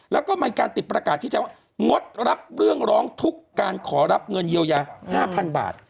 แล้วก็มีการติดประกาศที่จะว่างดรับเรื่องร้องทุกข์การขอรับเงินเยียวยา๕๐๐๐บาท